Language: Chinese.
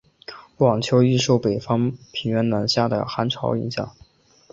晚秋易受北方平原南下的寒潮影响。